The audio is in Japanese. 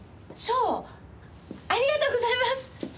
ありがとうございます！